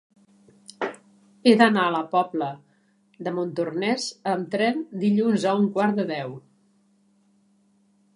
He d'anar a la Pobla de Montornès amb tren dilluns a un quart de deu.